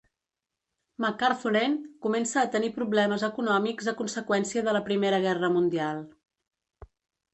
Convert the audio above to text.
McArthuren comença a tenir problemes econòmics a conseqüència de la Primera Guerra Mundial.